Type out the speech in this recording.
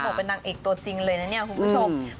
เป็นนางเอกตัวจริงเลยนะเนี่ยคุณผู้ชม